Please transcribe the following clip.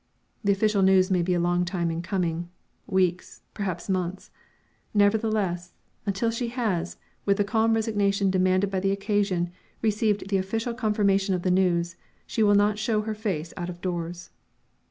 The official news may be a long time in coming weeks, perhaps months nevertheless, until she has, with the calm resignation demanded by the occasion, received the official confirmation of the news, she will not show her face out of doors.